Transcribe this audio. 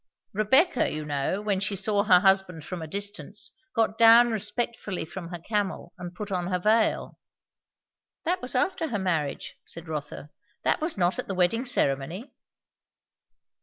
"Rebecca, you know, when she saw her husband from a distance, got down respectfully from her camel and put on her veil." "That was after her marriage," said Rotha. "That was not at the wedding ceremony."